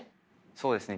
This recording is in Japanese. そうですね。